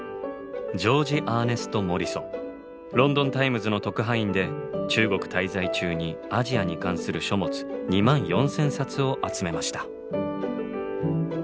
「ロンドンタイムズ」の特派員で中国滞在中にアジアに関する書物２万４，０００冊を集めました。